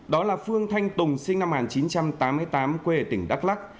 đó là phương thanh tùng sinh năm một nghìn chín trăm tám mươi tám quê tỉnh đắk lắc